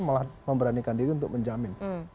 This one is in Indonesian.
malah memberanikan diri untuk menjamin